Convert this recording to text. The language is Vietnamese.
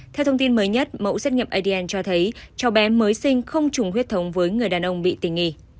theo thông tin mới nhất mẫu xét nghiệm adn cho thấy cháu bé mới sinh không trùng huyết thống với người đàn ông bị tình nghi